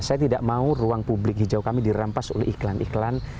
saya tidak mau ruang publik hijau kami dirampas oleh iklan iklan